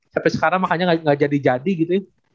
sampai sekarang makanya gak jadi jadi gitu ya